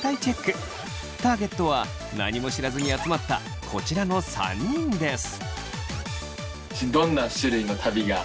ターゲットは何も知らずに集まったこちらの３人です。